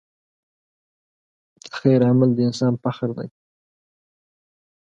د خیر عمل د انسان فخر دی.